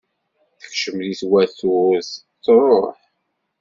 Tekcem deg twaturt, truḥ.